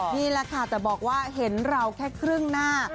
นี่แหละค่ะแต่บอกว่าเห็นเราแค่ครึ่งหน้า